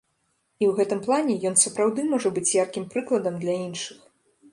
І ў гэтым плане ён сапраўды можа быць яркім прыкладам для іншых.